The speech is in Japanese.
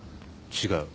違う。